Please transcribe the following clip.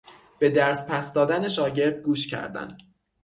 به درس پس دادن شاگرد گوش کردن